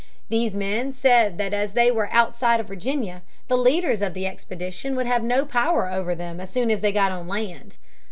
These men said that as they were outside of Virginia, the leaders of the expedition would have no power over them as soon as they got on land.